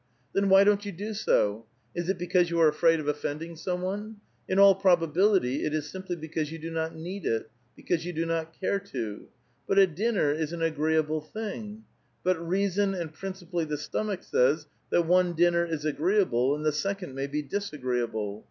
Then why don't you do so ? Is it because you are afraid of offeiidiuor some one? In all probability, it is simply because you do not need it, because ^ou do not care to. But a dinner is an agreeable tbiug. JBut reason, and principally the stomach, says, that one din ner is agreeable and the second may be disagreeable.